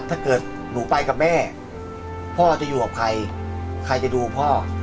ถ้าเกิดหนูไปกับแม่พ่อจะอยู่กับใครใครจะดูพ่อ